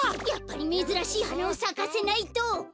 やっぱりめずらしいはなをさかせないと！